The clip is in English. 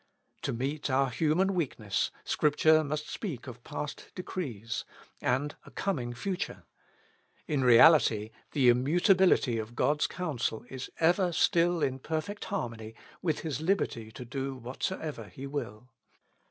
To meet our human weakness, Scripture must speak of past decrees, and a coming future. In reality, the immutability of God's counsel is ever still in perfect harmony with His liberty to do whatsoever He will.